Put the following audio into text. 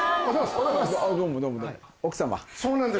そうなんです。